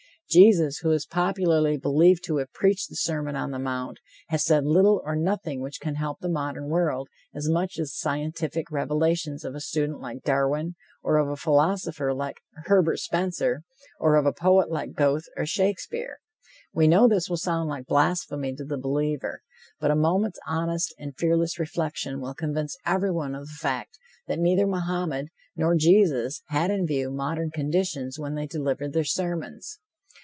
Jesus, who is popularly believed to have preached the Sermon on the Mount, has said little or nothing which can help the modern world as much as the scientific revelations of a student like Darwin, or of a philosopher like Herbert Spencer, or of a poet like Goethe or Shakespeare. We know this will sound like blasphemy to the believer, but a moment's honest and fearless reflection will convince everyone of the fact that neither Mohammed nor Jesus had in view modern conditions when they delivered their sermons.